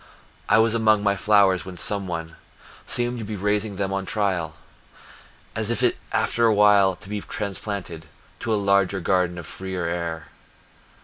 I was among my flowers where some one Seemed to be raising them on trial, As if after while to be transplanted To a larger garden of freer air.